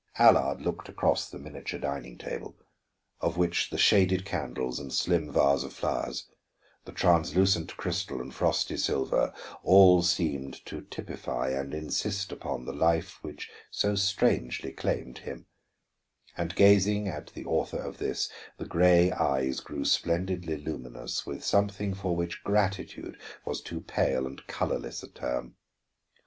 Allard looked across the miniature dining table, of which the shaded candles and slim vase of flowers, the translucent crystal and frosty silver, all seemed to typify and insist upon the life which so strangely claimed him; and gazing at the author of this, the gray eyes grew splendidly luminous with something for which gratitude was too pale and colorless a term.